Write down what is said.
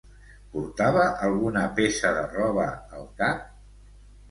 Portava alguna peça de roba al cap?